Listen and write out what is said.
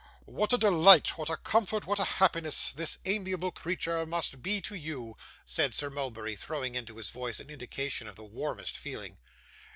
'What a delight, what a comfort, what a happiness, this amiable creature must be to you,' said Sir Mulberry, throwing into his voice an indication of the warmest feeling.